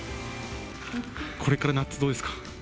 これから夏、どうですか。